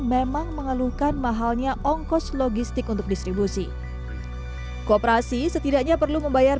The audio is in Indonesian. memang mengeluhkan mahalnya ongkos logistik untuk distribusi kooperasi setidaknya perlu membayar